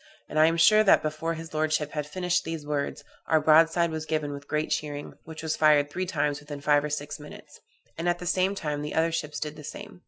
_' and I am sure that before his lordship had finished these words, our broadside was given with great cheering, which was fired three times within five or six minutes; and at the same time the other ships did the same.